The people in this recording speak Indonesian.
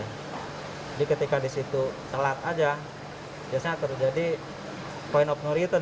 jadi ketika di situ telat aja biasanya terjadi point of no return